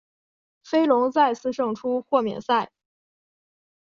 飞龙再次胜出豁免赛。